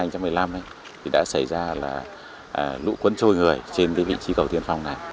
trận lũ lịch sử năm hai nghìn một mươi năm đã xảy ra lũ cuốn trôi người trên vị trí cầu tiên phong này